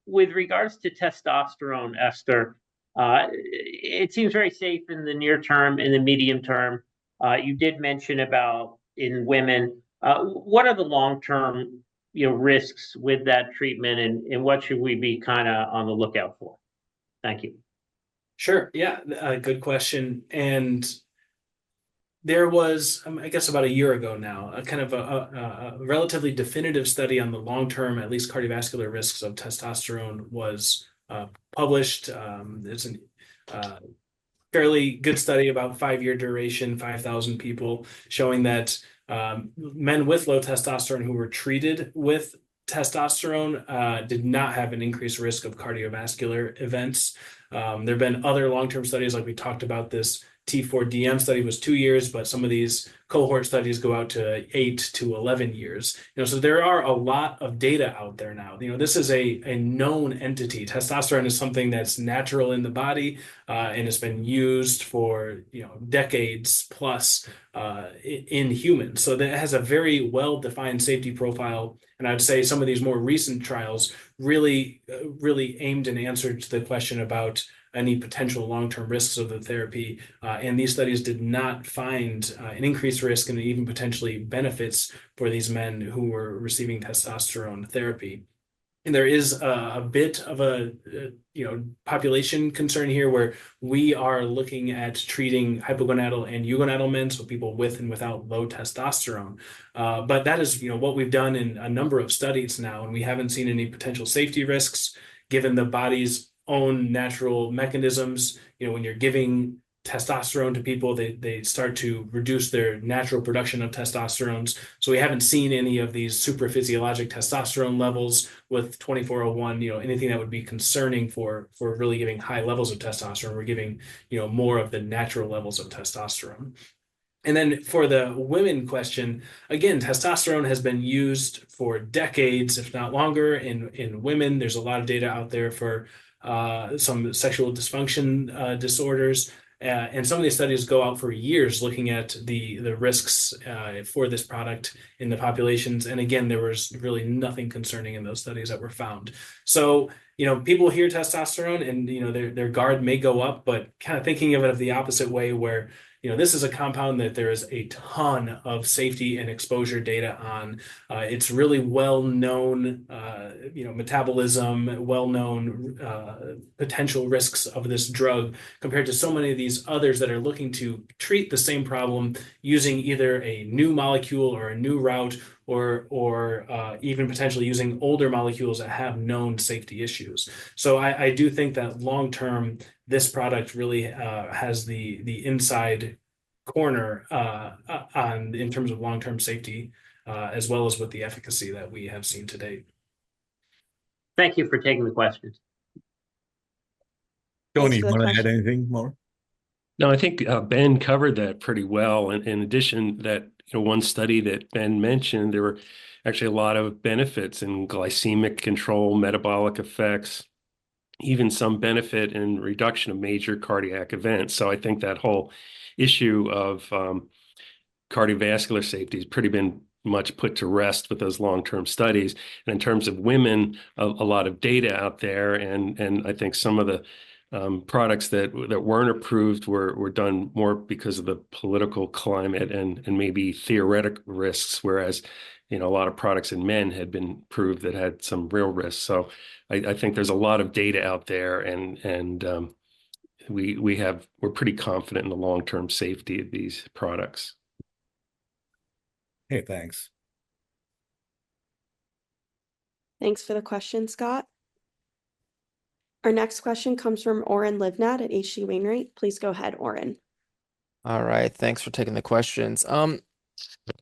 With regards to testosterone ester, it seems very safe in the near term, in the medium term. You did mention about in women. What are the long-term, you know, risks with that treatment, and what should we be kind of on the lookout for? Thank you. Sure. Yeah, a good question. There was, I guess about a year ago now, a kind of a relatively definitive study on the long-term, at least cardiovascular risks of testosterone that was published. It's a fairly good study, about five-year duration, 5,000 people, showing that men with low testosterone who were treated with testosterone did not have an increased risk of cardiovascular events. There have been other long-term studies, like we talked about. This T4DM study was two years, but some of these cohort studies go out to 8 to 11 years. You know, so there are a lot of data out there now. You know, this is a known entity. Testosterone is something that's natural in the body, and it's been used for, you know, decades plus, in humans. So that has a very well-defined safety profile, and I'd say some of these more recent trials really, really aimed and answered the question about any potential long-term risks of the therapy. And these studies did not find an increased risk and even potentially benefits for these men who were receiving testosterone therapy. There is a bit of a, you know, population concern here, where we are looking at treating hypogonadal and eugonadal men, so people with and without low testosterone. But that is, you know, what we've done in a number of studies now, and we haven't seen any potential safety risks, given the body's own natural mechanisms. You know, when you're giving testosterone to people, they, they start to reduce their natural production of testosterone. So we haven't seen any of these super physiologic testosterone levels with twenty-four oh one, you know, anything that would be concerning for, for really giving high levels of testosterone. We're giving, you know, more of the natural levels of testosterone. And then for the women question, again, testosterone has been used for decades, if not longer, in, in women. There's a lot of data out there for some sexual dysfunction disorders, and some of these studies go out for years looking at the risks for this product in the populations, and again, there was really nothing concerning in those studies that were found, so you know, people hear testosterone, and you know, their guard may go up, but kind of thinking of it the opposite way, where you know, this is a compound that there is a ton of safety and exposure data on. It's really well-known, you know, metabolism, well-known potential risks of this drug, compared to so many of these others that are looking to treat the same problem using either a new molecule or a new route or even potentially using older molecules that have known safety issues. I do think that long-term, this product really has the inside track in terms of long-term safety, as well as with the efficacy that we have seen to date. Thank you for taking the questions. Tony, you want to add anything more? No, I think Ben covered that pretty well. In addition, you know, one study that Ben mentioned, there were actually a lot of benefits in glycemic control, metabolic effects, even some benefit in reduction of major cardiac events. So I think that whole issue of cardiovascular safety has pretty much been put to rest with those long-term studies. And in terms of women, a lot of data out there, and I think some of the products that weren't approved were done more because of the political climate and maybe theoretical risks. Whereas, you know, a lot of products in men had been approved that had some real risks. So I think there's a lot of data out there, and we have-- we're pretty confident in the long-term safety of these products. Okay, thanks. Thanks for the question, Scott. Our next question comes from Oren Livnat at H.C. Wainwright. Please go ahead, Oren. All right, thanks for taking the questions.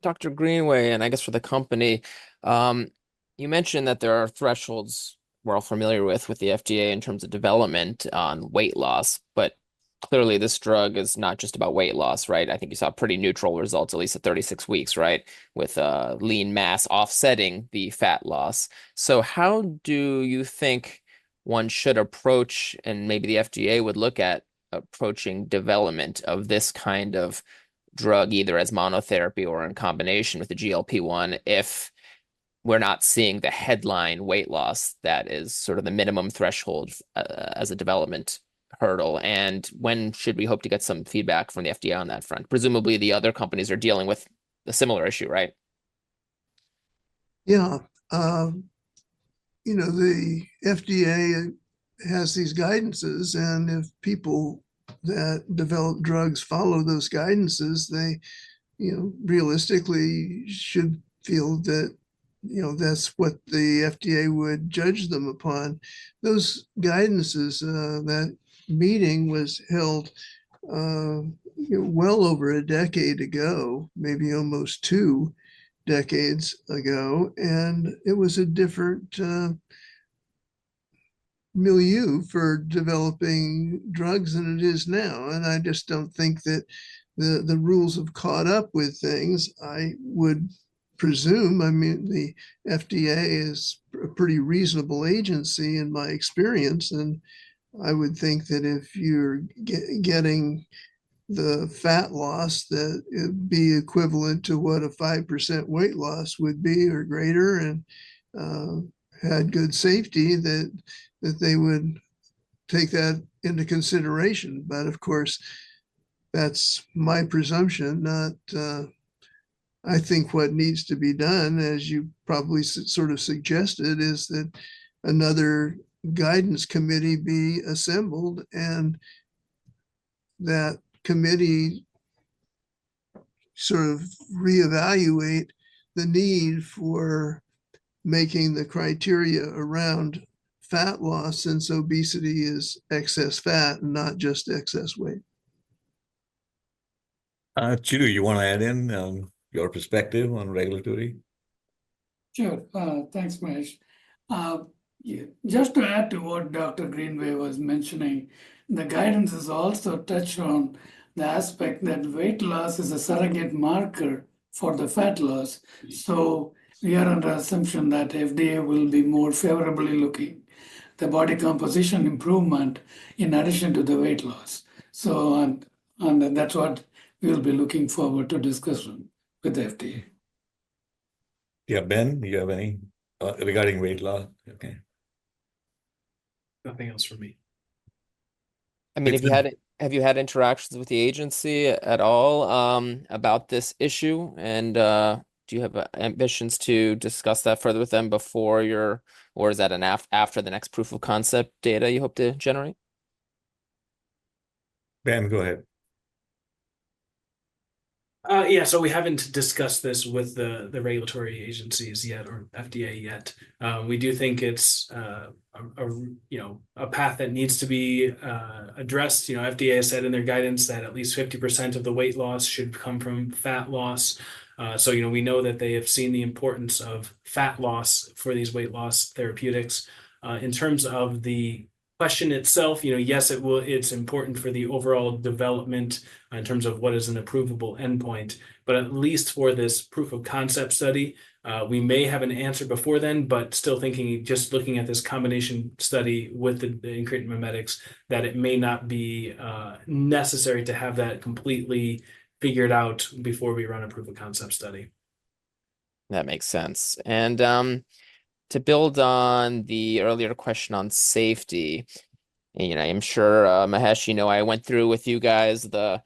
Dr. Greenway, and I guess for the company, you mentioned that there are thresholds we're all familiar with with the FDA in terms of development on weight loss, but clearly this drug is not just about weight loss, right? I think you saw pretty neutral results, at least at 36 weeks, right, with lean mass offsetting the fat loss. So how do you think one should approach, and maybe the FDA would look at approaching, development of this kind of drug, either as monotherapy or in combination with the GLP-1, if we're not seeing the headline weight loss that is sort of the minimum threshold as a development hurdle? And when should we hope to get some feedback from the FDA on that front? Presumably, the other companies are dealing with a similar issue, right? Yeah. You know, the FDA has these guidances, and if people that develop drugs follow those guidances, they, you know, realistically should feel that, you know, that's what the FDA would judge them upon. Those guidances, that meeting was held, well over a decade ago, maybe almost two decades ago, and it was a different milieu for developing drugs than it is now, and I just don't think that the, the rules have caught up with things. I would presume, I mean, the FDA is a pretty reasonable agency in my experience, and I would think that if you're getting the fat loss, that it would be equivalent to what a 5% weight loss would be, or greater, and had good safety, that, that they would take that into consideration. But of course, that's my presumption, not... I think what needs to be done, as you probably sort of suggested, is that another guidance committee be assembled, and that committee sort of reevaluate the need for making the criteria around fat loss, since obesity is excess fat, not just excess weight. Chidu, you want to add in your perspective on regulatory? Sure. Thanks, Mahesh. Yeah, just to add to what Dr. Greenway was mentioning, the guidance has also touched on the aspect that weight loss is a surrogate marker for the fat loss. So we are under the assumption that FDA will be more favorably looking the body composition improvement in addition to the weight loss. So that's what we'll be looking forward to discussing with the FDA. Yeah, Ben, do you have any regarding weight loss? Okay. Nothing else for me. I mean, have you had interactions with the agency at all about this issue? And, do you have ambitions to discuss that further with them or is that after the next proof of concept data you hope to generate? Ben, go ahead. Yeah, so we haven't discussed this with the regulatory agencies yet, or FDA yet. We do think it's, you know, a path that needs to be addressed. You know, FDA has said in their guidance that at least 50% of the weight loss should come from fat loss, so you know, we know that they have seen the importance of fat loss for these weight loss therapeutics. In terms of the question itself, you know, yes, it will. It's important for the overall development in terms of what is an approvable endpoint, but at least for this proof of concept study, we may have an answer before then, but still thinking, just looking at this combination study with the incretin mimetics, that it may not be necessary to have that completely figured out before we run a proof of concept study. That makes sense. And to build on the earlier question on safety, and I am sure, Mahesh, you know, I went through with you guys the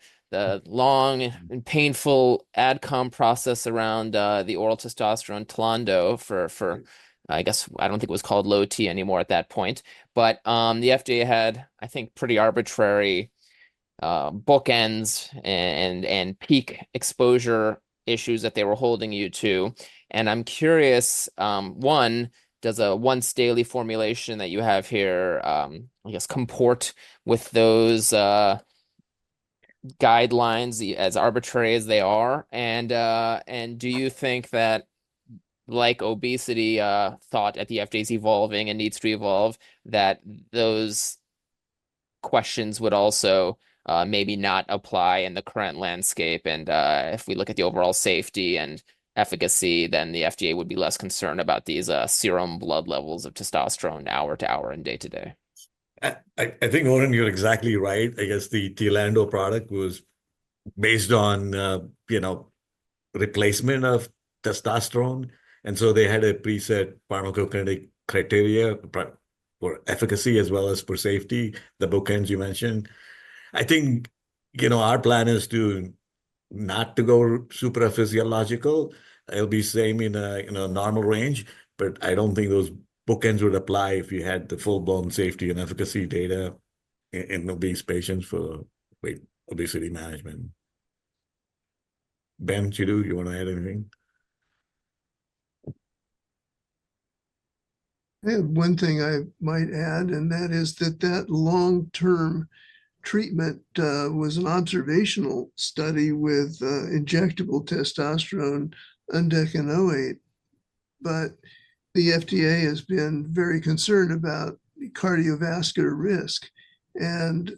long and painful ad com process around the oral testosterone Tlando for, I guess, I don't think it was called Low T anymore at that point. But the FDA had, I think, pretty arbitrary bookends and peak exposure issues that they were holding you to. And I'm curious, one, does a once daily formulation that you have here, I guess, comport with those guidelines, as arbitrary as they are? Do you think that like obesity thought at the FDA is evolving and needs to evolve, that those questions would also maybe not apply in the current landscape, and if we look at the overall safety and efficacy, then the FDA would be less concerned about these serum blood levels of testosterone hour to hour and day to day? I think, Oren, you're exactly right. I guess the Tlando product was based on, you know, replacement of testosterone, and so they had a preset pharmacokinetic criteria for efficacy as well as for safety, the bookends you mentioned. I think, you know, our plan is to not to go supraphysiological. It'll be same in a normal range, but I don't think those bookends would apply if you had the full-blown safety and efficacy data in obese patients for obesity management. Ben, Chidu, you want to add anything? I have one thing I might add, and that is that long-term treatment was an observational study with injectable testosterone undecanoate, but the FDA has been very concerned about cardiovascular risk, and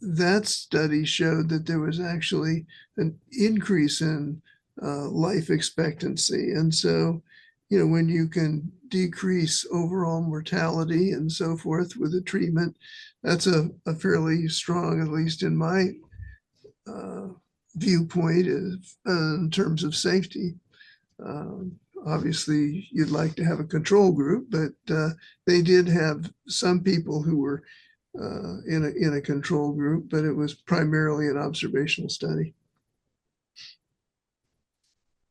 that study showed that there was actually an increase in life expectancy, and so you know when you can decrease overall mortality and so forth with the treatment, that's a fairly strong, at least in my viewpoint, in terms of safety. Obviously, you'd like to have a control group, but they did have some people who were in a control group, but it was primarily an observational study.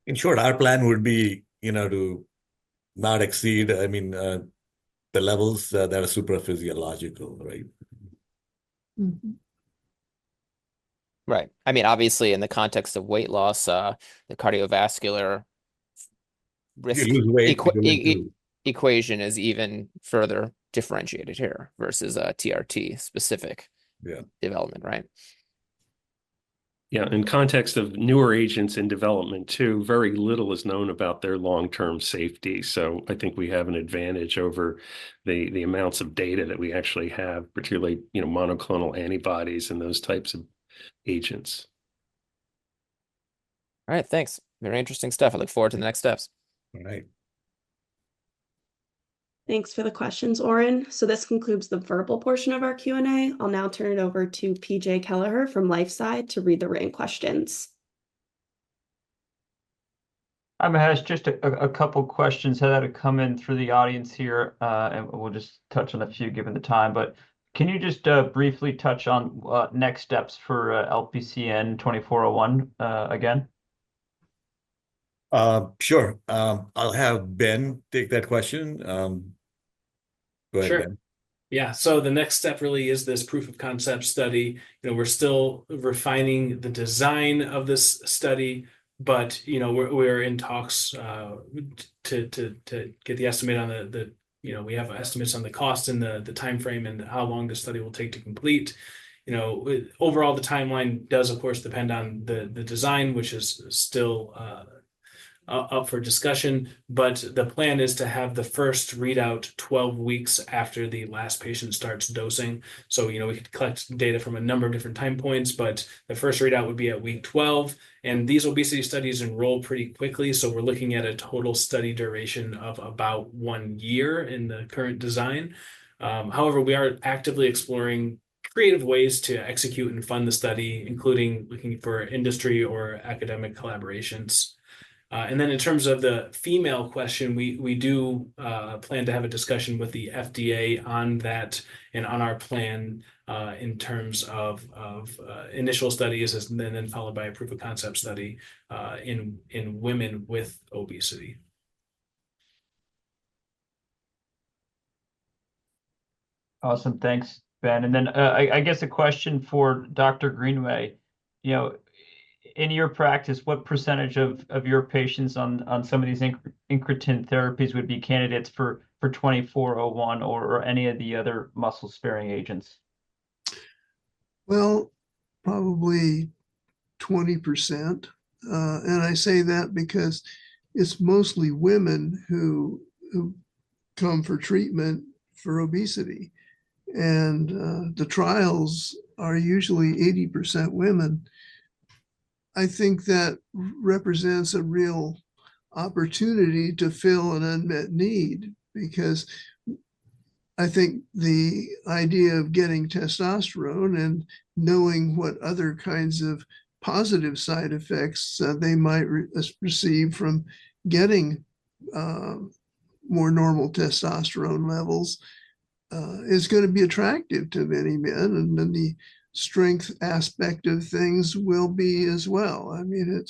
In short, our plan would be, you know, to not exceed, I mean, the levels that are supraphysiological, right? Mm-hmm. Right. I mean, obviously, in the context of weight loss, the cardiovascular risk- You lose weight- Equation is even further differentiated here versus TRT specific- Yeah Development, right? Yeah. In context of newer agents in development, too, very little is known about their long-term safety. So I think we have an advantage over the amounts of data that we actually have, particularly, you know, monoclonal antibodies and those types of agents. All right, thanks. Very interesting stuff. I look forward to the next steps. All right. Thanks for the questions, Oren. So this concludes the verbal portion of our Q&A. I'll now turn it over to PJ Kelleher from LifeSci to read the written questions. Hi, Mahesh, just a couple of questions that have come in through the audience here, and we'll just touch on a few, given the time. But can you just briefly touch on LPCN 2401 again? Sure. I'll have Ben take that question. Go ahead, Ben. Sure. Yeah, so the next step really is this proof of concept study. You know, we're still refining the design of this study, but, you know, we're in talks to get the estimate on the you know, we have estimates on the cost and the time frame and how long the study will take to complete. You know, overall, the timeline does, of course, depend on the design, which is still up for discussion, but the plan is to have the first readout 12 weeks after the last patient starts dosing. So, you know, we could collect data from a number of different time points, but the first readout would be at week 12, and these obesity studies enroll pretty quickly, so we're looking at a total study duration of about 1 year in the current design. However, we are actively exploring creative ways to execute and fund the study, including looking for industry or academic collaborations, and then, in terms of the female question, we do plan to have a discussion with the FDA on that and on our plan, in terms of initial studies, and then followed by a proof of concept study, in women with obesity. Awesome. Thanks, Ben. And then, I guess a question for Dr. Greenway. You know, in your practice, what percentage of your patients on some of these incretin therapies would be candidates for 2401 or any of the other muscle-sparing agents? Well, probably 20%. And I say that because it's mostly women who come for treatment for obesity, and the trials are usually 80% women. I think that represents a real opportunity to fill an unmet need, because I think the idea of getting testosterone and knowing what other kinds of positive side effects they might receive from getting more normal testosterone levels is gonna be attractive to many men, and then the strength aspect of things will be as well. I mean,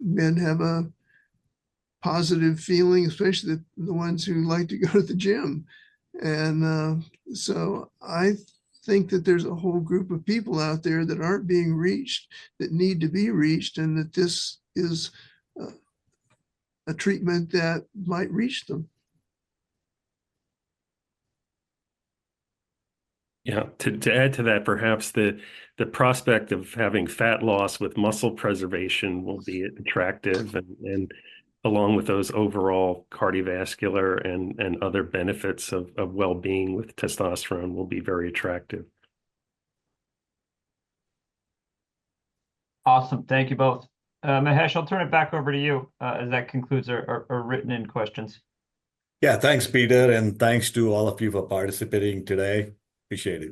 men have a positive feeling, especially the ones who like to go to the gym. And so I think that there's a whole group of people out there that aren't being reached, that need to be reached, and that this is a treatment that might reach them. Yeah, to add to that, perhaps the prospect of having fat loss with muscle preservation will be attractive, and along with those overall cardiovascular and other benefits of wellbeing with testosterone will be very attractive. Awesome. Thank you both. Mahesh, I'll turn it back over to you, as that concludes our written questions. Yeah, thanks, Peter, and thanks to all of you for participating today. Appreciate it.